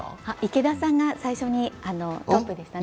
池田さんが最初にトップでしたね。